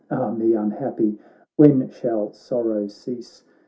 Ah me, unhappy ! when shall sorrow cease!